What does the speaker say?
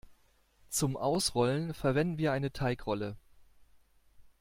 Zum Ausrollen verwenden wir eine Teigrolle.